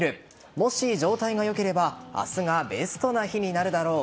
もし状態が良ければ明日がベストの日になるだろう。